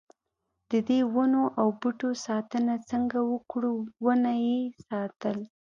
ددې ونو او بوټو ساتنه څنګه وکړو ونه یې ساتل.